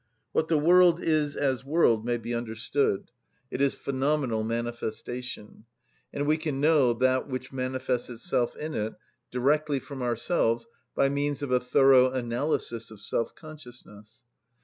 What the world is as world may be understood: it is phenomenal manifestation; and we can know that which manifests itself in it, directly from ourselves, by means of a thorough analysis of self‐consciousness.